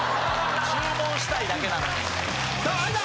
・注文したいだけなのに・さあ相田！